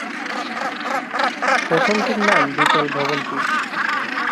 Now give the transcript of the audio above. প্রথমটির নাম দ্বিতল ভবনটির।